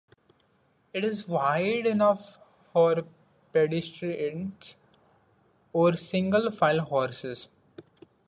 It is wide enough for pedestrians or single file horses.